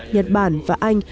nhật bản và anh